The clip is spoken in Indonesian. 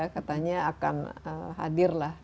katanya akan hadirlah